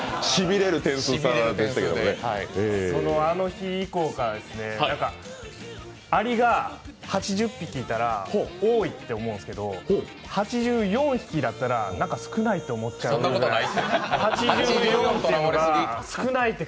あの日以降からアリが８０匹いたら多いと思うんですけど８４匹だったらなんか少ないって思っちゃうっていう。